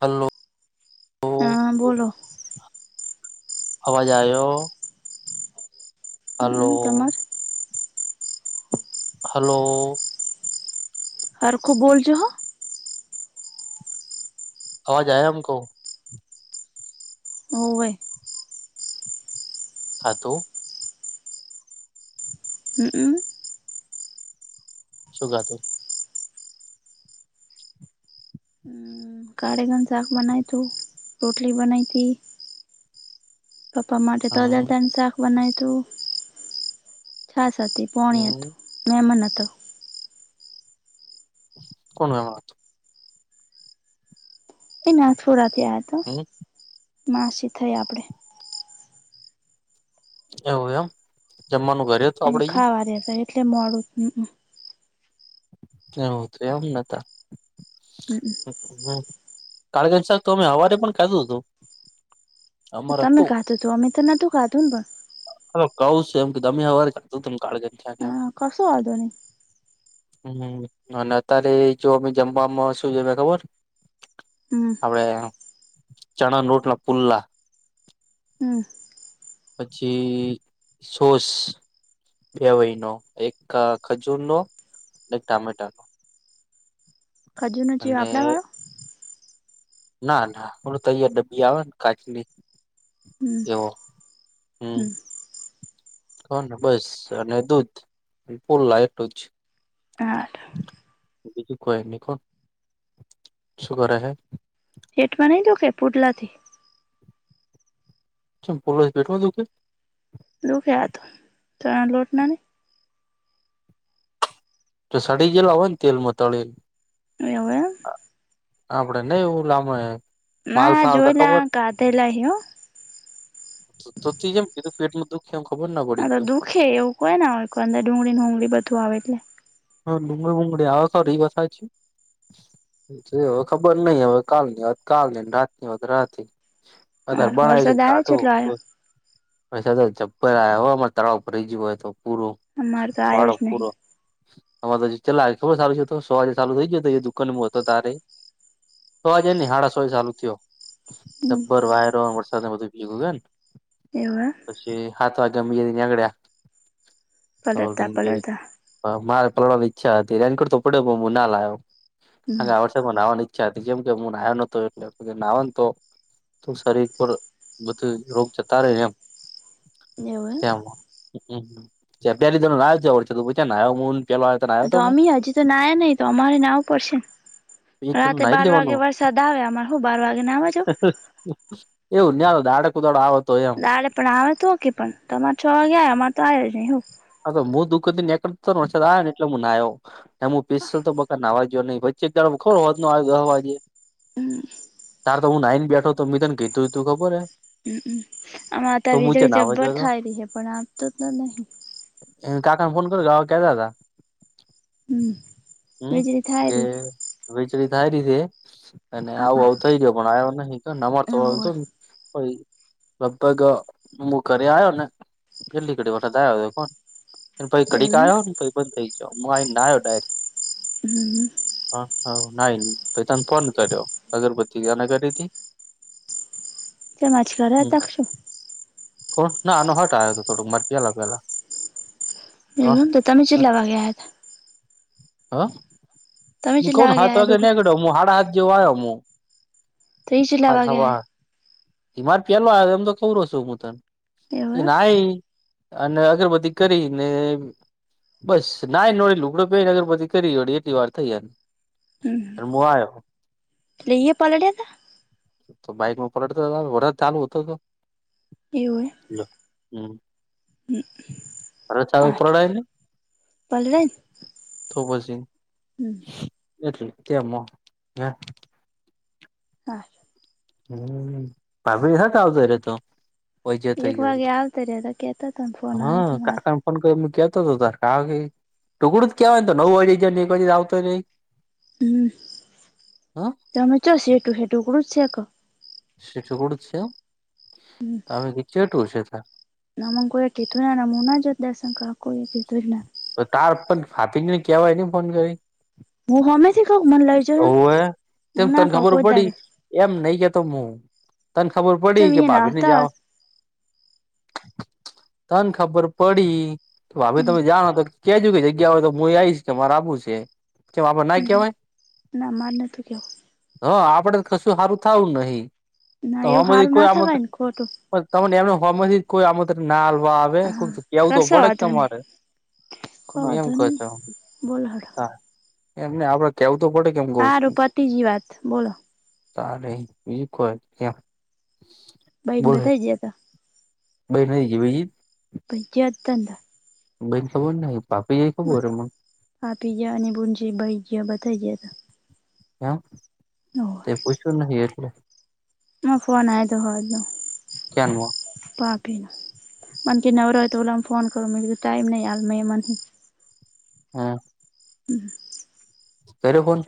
અલ્લુ. હા બોલો. અવાજ આવ્યો. હલો હમ તમર. હલો. હરખું બોલજો હો. આવાજ આયા અમકો. હોવે. હા તો હમમ શુંગાત. કાારેગન સાક બનાય તું રોટલી બનાઈ તી. પપ્પા માટે તો હમ અજર તને શાક બનાય તું. છાસ હતી પોણ હત હમ મહેમન હતો. કોણ મેમણ હત એ ના થોડા થયા તો હમ માસી થઈ આપડે. એવું એમ જમવાનું ઘરે હતું અને આપડે ઈ? ખાવા રેતા એટલે મોડું થયુ એ તો એમ નતા. હમ. હમ કાળગજ સાબ તો અમે હવારે પણ કાધું હતું. અમારે તમે હતું ખાતું તું અમે તો નથી ખાતું ને પણ. હ કઉું છે એમ કે તમે સવારે જાતો તમ કાળગન શાખ એમ. કસો વાંધો ન. હમ અને અત્યારે એ જો અમે જમવામાં શું જમે ખબર હમ. આપડે ચણા લોટ ના પુલ્લા. હમ! પછી સોસ બે વહી નો એક ખજૂર નો ટામેટાનો. ખજુર છે અને વાપડા વાળો. ના ના ઓલું તહીયાર ડબ્બી આવે ને કાચની. હમ એવો હમ. હ ને બસ અને દૂધ ફુલ લાઈટ જ આઠ. બીજું કોઈ ન કોણ શું કરે હે. પેઠમાં નહીં દુઃખે પુટલા થી. મ પોલીસ બેઠો દું કે. દુઃખ તો ત લોટના [unintelligible] એવવે. આપડને એવું લમાં. ના જોલા ગાધેલા હયો. તો જેમ કીધું પેટ ન દુઃખ એ ખબર ના પડી. ે એવું કોઈ ને હોય કો અંદર ડુંગળી ડુંગળી બધું આવે એટલે. હ લુંગડડી બુંંગુડી આ કર એ કથાચ છે. હવે ખબર નઈ હવે. કાલની વાત કાલની રાતની વાત રાત. અ હારુ દરબણ આવી છે વરસાદ આવે કાટો. એટલો આવ્યો પ સાથે જબ્બર હમાં તળાવ ઉપર ગું હોય તો પૂરો અમારે તો આવ્યો વાડો જ નહી પૂરો. અમા તો ચલા ખબર સારું છે. તો સવાજે સારુ થઈ જયો દુકાનમાં હતો તારે. તોવાજ નને હાડા સોય ચાલુ થયો હમ ગબ્બર વાયરો વરસાદને બધું ભીગું ગને. એવ. પછી હાથ વા ગ્યા મી ગ ગડ્યા તોલ. પલળતા પલળતા મારે પલડવાની ઈચ્છા હતી. એની કરતો પડ્યોું ના લાવ્યો. હમ નાહવાની ઈચ્છા હતી. કેમ કે હું નાહયો નોતો. એટલે કે નાવાને તો. તો શરીર પર બધું રોગ જતા રહે ને એમ. એવું? [unintelligible] તો અમ હજી તો નાયા નહીિ. તો અમારે નાવું પડશે. એક તો રાતે નાહી બાર વાગે લેવાનું વરસાદ આવે. આમામાં શું બાર વાગે ના આવવાજો. એવું ન્યા દાડે કુદાડો આવ હતો. તાલે પણ આવે તો હોકી પણ. તમારે છ વાગ્યા આવ. અમારે તો આવ જ નહી હું. હા! તો હું દુઃખ થી નીકળતો આ ને. એટલે હું ના આવ્યો હું પિસલ તો. પણ આવાજો નહી. વચ્ચે ખોરો હોત ન આવે દહ વાજે. હમ! તાર તો હું નાઈને બેઠ હતો. તો મેી તને ગીતોું તું ખબરે. હમમ! આમાં ત વીજળી નાવા ગયો જબ્બર તો થાય રહી છે. પણ આપતું તો નહી એ કાકાને ફોન કર કેતા હતા. હમ હમ! વીજળી થાય કે રહી વેચળ થાય રી છે. અને હ આવું એવું આવતું. થઈ ગયો. પણ આવ્યો નહી. હોય અમારતોને લગભગ હું ઘરે આવ્યો ને. કેલ્લીકડી વખત આવ્યો હતો ફન. પછ એવું ઘડીકા એમ આવયો ને. પછ બંધ થઈ ગયો. હું આવી ના આવ્યો ડાયરેક. હમ! હા! હ નાઈ પ તને ફોન કર્યો અગરબતી ગના કરીથી. ચ માછ કર હમ તખશો [unintelligible] કોણ ના આનો હટ આવ્યો હતો થોડુંક મર પેલા પેલા એ તો તમે જી લવા ગયા હતા હા તમે હ કેટલા કન હાથ આયા વાગે દુકાન નીકળ્યો હ હાડા હાથ જેવ આવ્યો મુ તે જ લેવા ગયા હૈ. બીમાર પિયાલો એમ તો કેવું હ છું. હું તને એવું એ એમ નાઈ. અને અગરબત્તી કરીને. બસ ના ન લુકડો પે નગર પધી કરીડી. એલી વાર થઈ ને હ આવ્યો. લઈએ પલડ્યા હતા? તો બાઈકમાં પલટતા વર ચાલુ હોતો તો. એવું હમ! અરે ચાલ એમ આઠ ઉપરડને. તો પછી. હમ! એટલે કે હ. હા! હમ! પાાભણી સાથે આવતો રતો. હોય જ થઈ એક ગયું. વાગે આવતા રહ્યા હતા કેતા હતા ને ફોન આવ્યો હતો હા મારે કાકા. ફ કું કેતો હતો તાર ક [unintelligible] ટુકડું જ કેવાય તો નવુંળજે ને એક વાે આવતો નહીં હમ હ તમે ચો સેટું સેટું કરુ છ આક [unintelligible] શ છુંક છે તોમે ચેટું શતા [unintelligible] ના મને કોયે કીધું ના મુ ના જાત દર્શન કરવા કોઈએ કીધું જ ના તો તાર પણ ફાતી ને કેવાય ને ફોન કરી હું હમેથીી કઉ મન લઈ જાઓ ઓવે તેમ હું ના તને કઉ ખબર કોઈ દાડ પડી એમ નહી કેતો હું તને ખબર પડી ચમ કે અહીંયા ભાભી ને નાતા જાવ તને ખબર પડી ભાભી હમ તમે જાણ તો ક્યાજું કે જગ્યા હોય તો હું આવીશ કે મારે આપું છે કેમ આપડે ના હમ કેવાય ના માર નતું કેવું [inaudible] હા, આપડે કશું હારું થાવુ નહીં. ના એવું હારું ના થવાય ને ખોટું. તમને એમનેમ હોમેંથી કોઈ આમંત્રણ ના આલવા આવે હા કોઈ કેવું તો કશો પડેન વાંધો નહી તમારે કો ત એમ વાંધો નહી કશો બોલો હડો એમને આપડે કેવુતો પડે હારુ પતિ ગઈ વાત બોલો તા નહિં બીજું કોઈ એમ. ભાઈન બોલે બધા જ્યાં તા. [unintelligible] [unintelligible] બયન ખબર નહીં ભાભી એ ખબર બસ મને. ભાભી ગયા ને ભુંજી ભાઈ ગયા બધાય ગયા તા. એમ. તે પૂછ્યું નહીં એટલે. આ ફોન આયો તો અહદ નો. ક્યાનમાં [unintelligible] ભીનો. મન કે નવરા હોય તો ઓલાને ફોન કરો, મે કીધું ટાઈમ નહીં, હાલ મેહમાન હે. હમ્મ. હમ્મ. કયરો ફોન?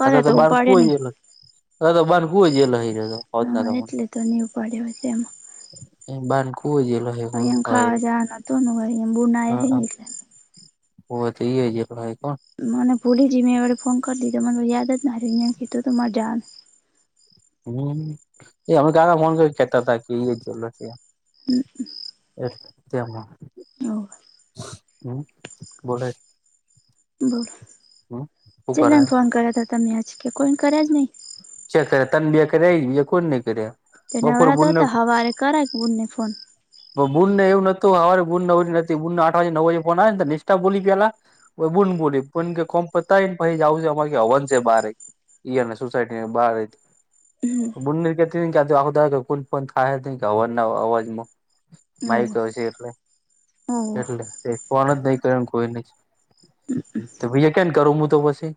કરે અતાર તો બહાર ઉપાડ્યો નહી કોઈ [unintelligible] [unintelligible] તો બહાર હુઈ જયેલા હી [unintelligible] હા એટલે તો ની ઉપડ્યો હોય તેમાં. [unintelligible] એમ ખાવા જવાના તોમ [unintelligible] હો તો ઈ એ [unintelligible] મને ભૂલી જી, મે વળી ફોન કર દીધો, મને યાદ જ ના રહ્યુ, એમ કીધું તું મારા જાન. હમ્મ. એ અમે કાદા ફોન કરી કેતા હતા કી ઈ એ જોલો છે. એ તેમાં હોવ હમ્મ બોલાય. બોલ. ચેલાન કરે ફોન કર્યા તા તમે આજ, કે કોઈન કર્યા જ નહીં? ચે ક તન બે કરાય, બીહા કોઈન નહીં કર્યા. તે બપોર નવરા તો બુનને હતા, હવારે કરાય બુનને ફોન. પન બૂનને એવું નતું, હવારે બૂન નવરી નથી, બુનને આઠ વાગે, નવ વાયગે ફોન આવે ને તો નિષ્ઠા બોલી પેલા પન બુન બોલીન પન કે કોન પતાયન પછી જ આવજે અમારે કે હવન છે બહારે, ઈ અને સોસાયટ ન્યાં બહારેત. હમ પન બુન ને [unintelligible] કે હવન નાં અવાજ માં. હોવ માઈક તો હશે એટલે, હોવ એટલે એ ફોન જ નહી કર્યો કોઈને જ, તો ઈ એય કેમ કરું હું તો પછી.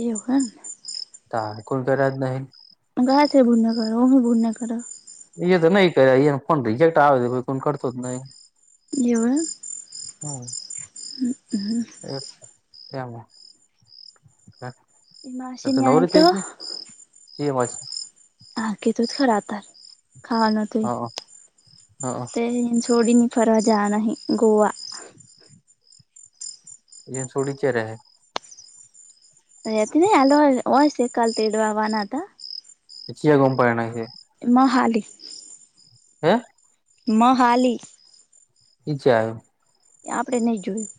એવું એમ ને? તાર કોલ કર્યા જ નહીં ન. ગયા થે બુન ના કરા, [unintelligible] બુનને કરા. એ તો નઈ કહે, એનો ફોન રિજેક્ટ આવે છે, પછી ફોન કરતો જ નહી. એવું એમ. હમ્મ. હમ્મ. [unintelligible] એ તો તું માસીની આય નવરી તો થઈ ગઈ? [unintelligible] હા કીધું તો ખરા અતાર, ખાવાનું તોય, હા હા તે થોડીની ફરવા જવા નહીં ગોવા. એન સોડી ચરે હે. [unintelligible] હોય છે કાલ તેડવા આવા ના હતા. ચીયા ગોમ પરાને હે? એ મહાલી. હે? મહાલી. ઈ ચ્યા આયુ? એ આપડે નહી જોયું.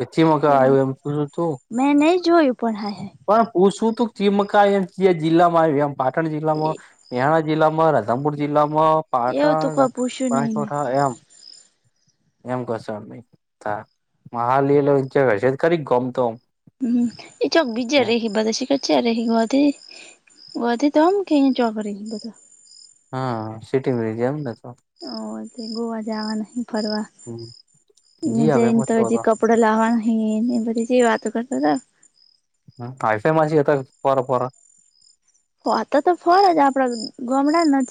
એ ચી મકા આયુ એમ પૂછવું તું. મેં નહી જોયું પણ હાય હાય. પણ પૂછવુ તું ચીમકાય આયુ ચીયા જિલ્લામાં આયુ એમ પાટણ જિલ્લામાં હાય મેહાણા જિલ્લામાં રાધનપુર જિલ્લામાં એવું તો પાટણ કોઈ પૂછ્યું નહી મેં બનાસકાંઠા એમ. એમ કશો હા તાણ મહાલી ચોક હશે તો ગામ તોમ હમ એ ચોક બીજે રહી બીજે શિખર ચો રે હે ગોધીધોમ કે એમ ચોક રેહે બધા. હા સિટી રહે એમ ને તો ઓ તે ગોવા જવા ના હે ફરવા. જી આવે જઈને એમાં તો શું જે હતા કપડો લાવવાનું હે એ બધી જે વાતો કરતા હતા. હાઈ ફાઇ માસી હતા ફોરા ફોરા હતો તો ફળ જ આપડા ગોમડા ના જ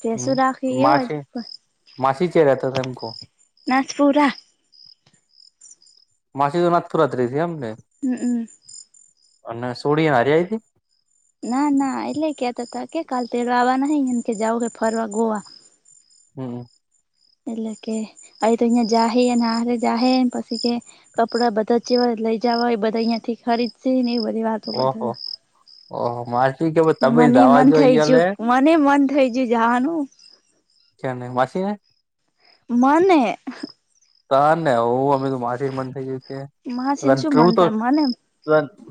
ભેસું રાખી હમ્મ એવ માસી જ માસી ચ્યા રહેતા તા એમ કઉ. ના તૂરા માસી તો નાથ પુરાત રહી એમને હમ્મ હમ્મ. અને સોડી હારી આય તી ના ના એટલે ક્યાતા તા કે કાલ તે આવા નહિ એમ કે જાવુ હે ફરવા ગોવા [inaudible] એટલે કે આ તોઈ જા એ નાે જામ પછ કે કપડા બધા જેવા લઇ જવાય બધા અહં થી ખરીદ સિને એવી બધી વાતો ઓહો કરતા ઓહો માસી કે હતા તમે મને દાવા મન જો થઈ અહિયા લે જ્યું. મને મન થઈ ગયું જવાનું. કે માસી ને મને તા ને હું અમે તો માસી ને જ મન થઈ ગયું છે માસીને શું તું મન તો થાય મને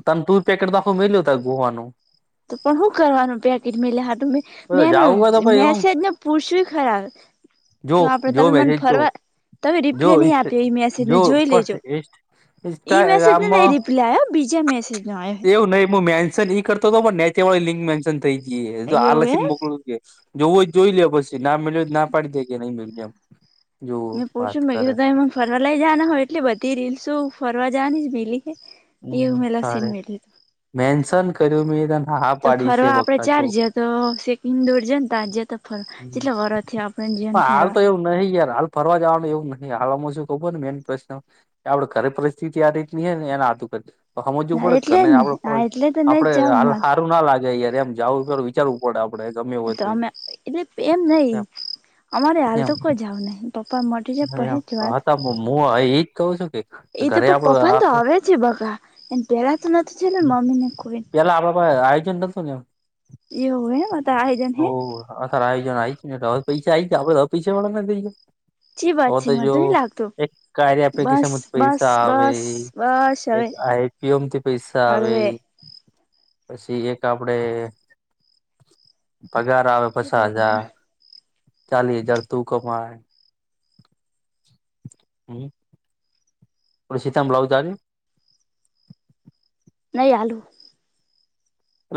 તમ તુર પેકેટ આખું મેલ્યું તન ગોવાનુ તો પણ શું કરવાનું પેકેટ મેલ્યા મેં મેનો જાવું હોય તો ભાઈ હું મેસેજને પુશ્યુ એ ખરા જો કે આપડે જો તમે મને મેસેજ જો ફરવા તમે જો રિપ્લે ઈ નહી આપ્યો એ મેસેજને જો જોઈ લેજો પણ ઈન ઈ ઈન્સ્ટાગ્રામ મેસેજને નહી માં રિપ્લાય આયો બીજા મેસેજનો [inaudible] એવું નહી હું મેન્શન ઈ કર તો તો નેચે વાળી લિંક મેન્શન થઈ જઈ આ આયો એવું એમ જોવ જોઈ લે પછી ના મેળ ના પાડી દે કે નહી મેળ એમ મેં પૂછ્યુંી ત એ ફરવા લઈ જવાના હોય એટલે બધી રીલ શું ફરવા જવાની જ મીલી કે હમ એવું મેલા સીન સારે મેલું મેન્શન કર્યું મેં તને હા તો પાડી છે ફરવા આપડે બકા જો ચાર જ તો શેખ હિન્દુ જનતા જ જ તો હમ જેટલા વર થી આપણે જીવન પણ હાલ તો એવું નહિ યાર હાલ ફરવા જવાનું એવું નહીં હળમાં શું ખબર હો ને મેન પ્રશ્ન આપડે ઘરે પરિસ્થિતિ આ રીતની હ ને એના આ હતું તો સમજવું પડે કર એટલે જ ને હા આપડ એટલે તો નઈ આપડે જ જાવ મારે સારું ના લાગે યાર એમ જવું કર વિચારવું પડે આપડે ગમે એ મ તો અમે એટલે એમ નઈ અમારે આલ એમ તો કોઈ જાઉનેહી બાપા માટીરે પછી હેંચ વાત મુવા આ હી હું એજ કહું છું કે એ તો ઘરે આપડે પપ્પાને તો આટલું હવે છે બગા એને પહેલાં તો નથી ચ મમ્મી ને કોઈ લા આ બાબ આયોજન [inaudible] એવું હે મત આઈજન હે અ સાર આયોજન આ આવી જ ને એટલે હવે પૈસા આ જ આપડવા પૈસા વાળા થઈયા ચી વાત ઓ છે તો મને જો નઈ લાગતું એક કાર્યે બસ કસાજ બસ પૈસા આવે. બસ બસ એક હવે આઈપીએમ થી પૈસા આવે હળવે પછી એક આપડે. પગાર આવે હે પચાસ હજાર ભગવાન ચાલીસ હજાર તું કમાય. હમ. મ બ્લાઉ. નહી આલુ.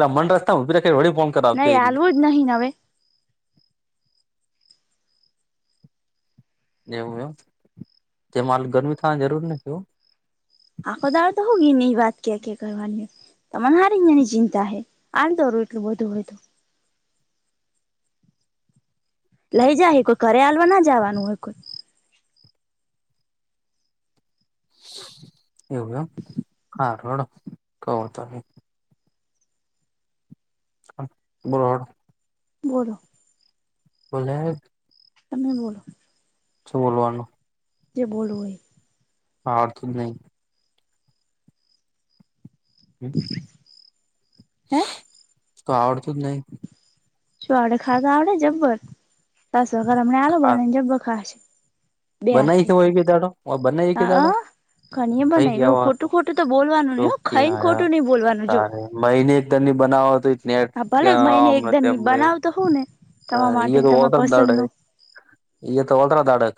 એ મન રસ્તા ઉ ઉપરળ નહી હલવું જ નહી હવે. વું એ જે માલ ગરમી થવાની જરૂર નથીવું. આાંખોદાર તો હોગી ન વાત ક્યા ક્યા કરની. તમાને હરે અહં ની ચિંતા હૈ હાલ દોરું એટલું બધું હોયું. લઈ જાય હ કોઈ કર હલવા ના જવાનું હોય કોઈ. એવું એમ હા રોડો કવ તમે. બ્રડ. બોરોલો. બલેગ. તમે બોલો. બોલવાનું. તે બો હો. હા અર્થું જ નહી. હમ હે તો આવવડતો જ નહી. શું આપડે ખાતા આવડે જબ્બર તાસ વગર હમને આલો હા બનેને જબ્બર ખાશે. બે બનાવી હાથે છેય કે દાડો બનાય કે અ દાડો. ઘણીએ પણ પહી નહી કેવાનું ખોટું ખોટું તો બોલવાનું નહ હો ચોક કે ખાઈ ને આયા ખોટું નઈ બોલવાનું જો. તારે મહિને એક તની બનાવ હતો. હા ભલે મહિને એકદમ ની નેમ બનાવતો હું ને તમારા માટે તો હો તમારા દાડ પસંદનું એગ તોલદ્ર દાડ.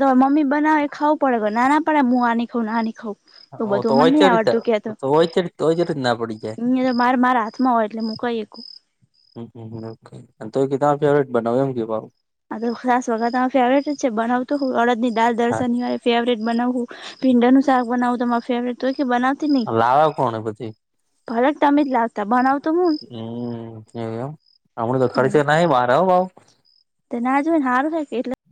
તોરે મમ બનાવે ખાવ પડે ના પડે હું આની ખઉં નાની ખાઉ. તો ઓ બધું અમને હોયચે નહ રીતે આવડતું કેતો તો હોયચે હોયચે રીત ના પડી જાય અ તો માર મારા. હમાં હોય એટલે મ કઈ. હ હમ ઓકે તો એ કેના ફેવરેટ બનાવમ કે ભુ. હા તો ખાસ વખત ફેવરેટ જ છે બનાવ તોું હ અડદ ની દાલ હા દર્શનની વા ફેવરેટ બનાવું. ભીંડાનું શાક બનાવું તમારે ફેવરેટ હોય કે બવ. લાાવ કોણ પછી ફરક તમેજ લાગતા બનાવતો હું. હમ એ હમણા તો ખાડી છે ના બાર. તે ના જો હોય નેારું હો કે એટલે.